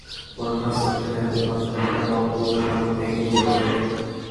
বরফের আস্তরণ এখানে এতই পাতলা যে একটা বড় পুরুষ ভালুক ভেঙে নীচে পড়ে যাবে।